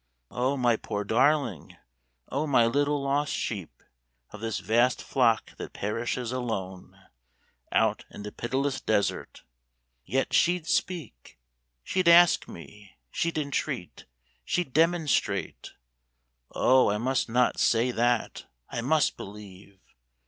O my poor darling, O my little lost sheep Of this vast flock that perishes alone Out in the pitiless desert!—Yet she'd speak: She'd ask me: she'd entreat: she'd demonstrate. O I must not say that! I must believe!